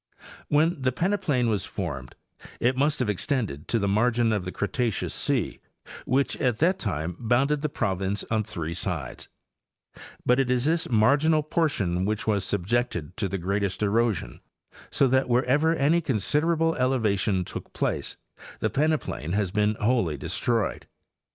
When the peneplain was formed it must have extended to the margin of the Cretaceous sea which at that time bounded the province on three sides; but it is this marginal portion which was subjected to the greatest erosion, so that wherever any con siderable elevation took place the peneplain has been wholly destroyed.